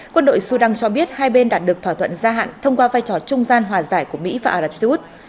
quân đội sudan cho biết hai bên đạt được thỏa thuận gia hạn thông qua vai trò trung gian hòa giải của mỹ và ả rập xê út